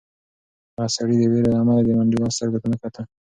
هغه سړي د وېرې له امله د منډېلا سترګو ته نه کتل.